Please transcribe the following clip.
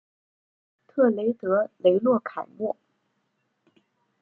特雷德雷洛凯莫。